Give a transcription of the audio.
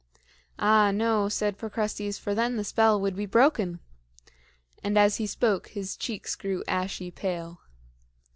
"Ah, no," said Procrustes, "for then the spell would be broken," and as he spoke his cheeks grew ashy pale.